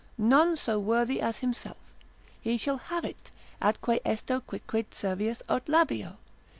21.) none so worthy as himself: he shall have it, atque esto quicquid Servius aut Labeo.